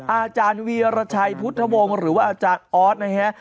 อาจารย์วีรชัยพุทธวงศ์หรือว่าอาจารย์ออสนะฮะ